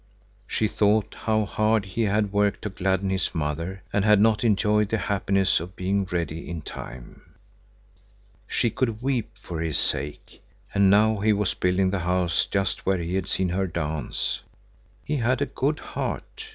She thought how hard he had worked to gladden his mother and had not enjoyed the happiness of being ready in time. She could weep for his sake. And now he was building the house just where he had seen her dance. He had a good heart.